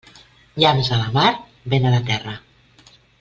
Llamps a la mar, vent a la terra.